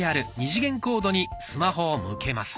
２次元コードにスマホを向けます。